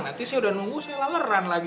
nanti saya udah nunggu saya laleran lagi